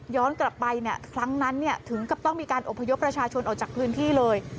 กลับไปครั้งนั้นถึงกับต้องมีการอบพยพประชาชนออกจากพื้นที่เลย